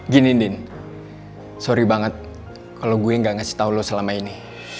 gini nin sorry banget kalau gue yang gak ngasih tau lo selama ini